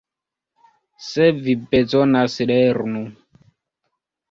Se vi bezonas lernu.